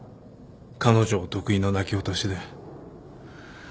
彼女お得意の泣き落としで。